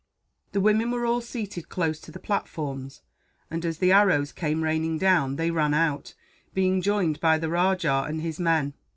The women were all seated close to the platforms and, as the arrows came raining down, they ran out; being joined by the rajah and his men.